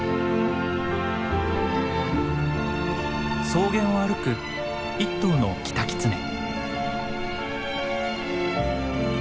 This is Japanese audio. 草原を歩く１頭のキタキツネ。